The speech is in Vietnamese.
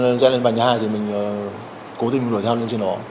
nên xe lên bàn nhà thì mình cố tình đuổi theo lên trên đó